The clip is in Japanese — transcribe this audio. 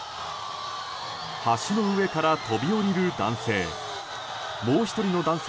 橋の上から飛び降りる男性。